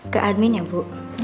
ke admin ya bu